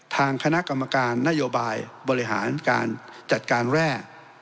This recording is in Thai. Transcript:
ทางคณะกรรมการนโยบายบริหารการจัดการแร่